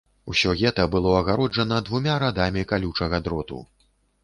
Усё гета было агароджана двумя радамі калючага дроту.